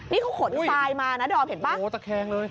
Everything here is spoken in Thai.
นี่เขาขนทายมานะเดี๋ยวออกเห็นป่ะโหตะแคงเลย